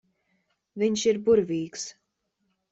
Viņš ir burvīgs.